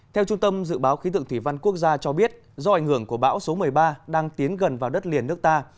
theo trung tâm dự báo khí tượng thủy văn quốc gia cho biết do ảnh hưởng của bão số một mươi ba đang tiến gần vào đất liền nước ta